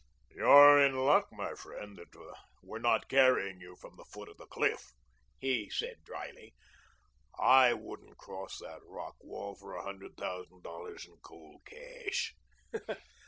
"You're in luck, my friend, that we're not carrying you from the foot of the cliff," he said dryly. "I wouldn't cross that rock wall for a hundred thousand dollars in cold cash."